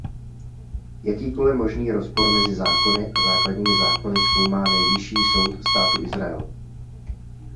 Jakýkoliv možný rozpor mezi zákony a Základními zákony zkoumá Nejvyšší soud Státu Izrael.